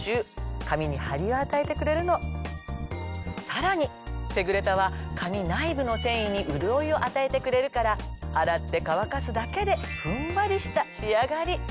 さらにセグレタは髪内部の繊維に潤いを与えてくれるから洗って乾かすだけでふんわりした仕上がり！